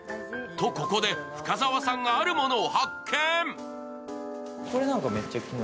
と、ここで深澤さんが、あるものを発見。